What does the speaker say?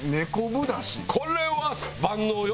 これは万能よ！